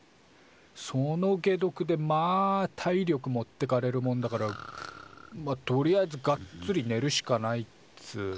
その解毒でまあ体力持ってかれるもんだからまあとりあえずガッツリ寝るしかないっつう。